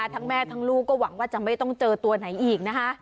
แม่ทั้งลูกก็หวังว่าจะไม่ต้องเจอตัวไหนอีกนะคะ